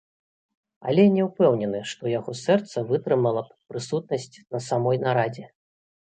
Але не ўпэўнены, што яго сэрца вытрымала б прысутнасць на самой нарадзе.